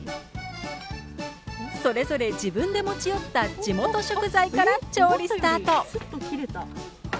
それぞれ自分で持ち寄った地元食材から調理スタート！